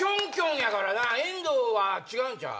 やからな遠藤は違うんちゃう？